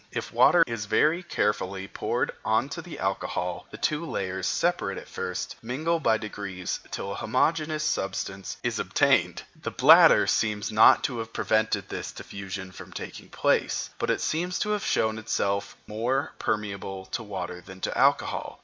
If water is very carefully poured on to alcohol, the two layers, separate at first, mingle by degrees till a homogeneous substance is obtained. The bladder seems not to have prevented this diffusion from taking place, but it seems to have shown itself more permeable to water than to alcohol.